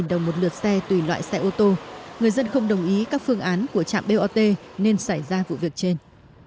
đồng một lượt xe tùy loại xe ô tô người dân không đồng ý các phương án của trạm bot nên xảy ra vụ việc trên